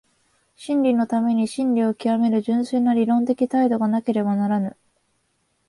真理のために真理を究める純粋な理論的態度がなければならぬ。